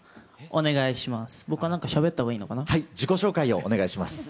お願いします。